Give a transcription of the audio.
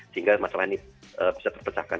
sehingga masalah ini bisa terpecahkan